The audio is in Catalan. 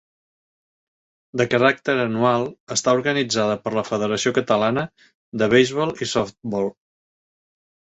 De caràcter anual, està organitzada per la Federació Catalana de Beisbol i Softbol.